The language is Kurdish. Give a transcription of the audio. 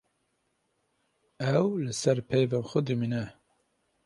Ew li ser peyvên xwe dimîne.